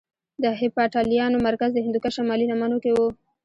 د هېپتاليانو مرکز د هندوکش شمالي لمنو کې کې وو